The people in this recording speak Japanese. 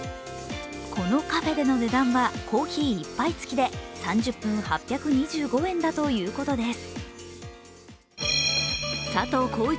このカフェでの値段はコーヒー１杯付きで３０分８２５円だということです。